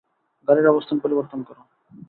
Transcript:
গাড়ির অবস্থান পরিবর্তন করো।